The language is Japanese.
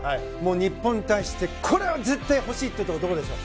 日本に対してこれは絶対欲しいというところはどこでしょう。